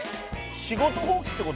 「仕事放棄って事？